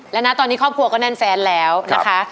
และนะตอนนี้ครอบครัวก็แน่นแฟนแล้วนะคะ